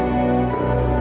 secepatnya untuk melakukan